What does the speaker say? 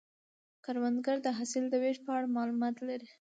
کروندګر د حاصل د ویش په اړه معلومات لري